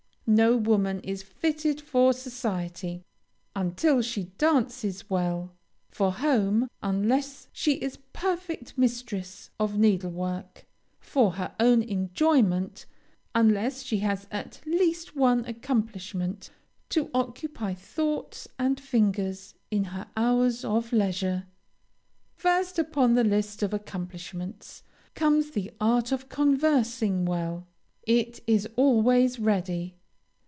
No woman is fitted for society until she dances well; for home, unless she is perfect mistress of needlework; for her own enjoyment, unless she has at least one accomplishment to occupy thoughts and fingers in her hours of leisure. First upon the list of accomplishments, comes the art of conversing well. It is always ready.